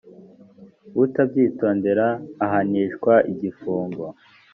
utabyitondera ahanishwa igifungo